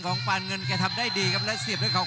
ขวางเอาไว้ครับโอ้ยเด้งเตียวคืนครับฝันด้วยศอกซ้าย